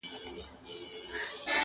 o لا معیار د سړیتوب مال و دولت دی,